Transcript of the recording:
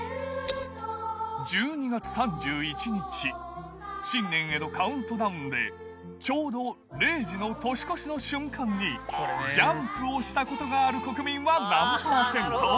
１２月３１日、新年へのカウントダウンで、ちょうど０時の年越しの瞬間にジャンプをしたことがある国民は何％？